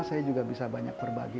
saya juga bisa banyak berbagi